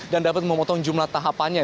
dan dapat memotong jumlah tahapannya